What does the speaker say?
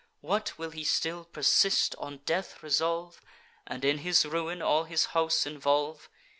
'What, will he still persist, on death resolve, And in his ruin all his house involve!